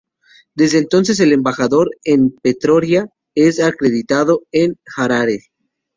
Desde entonces el embajador en Pretoria es acreditado en Harare